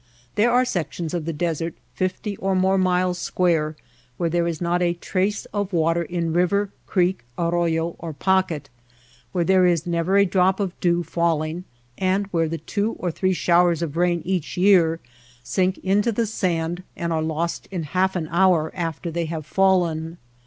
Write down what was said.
There are sections of the desert, fifty or more miles square, where there is not a trace of water in river, creek, arroyo or pocket, where there is never a drop of dew falling ; and where the two or three showers of rain each year sink into the sand and are lost in half an hour after they have fallen.